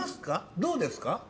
どうですか？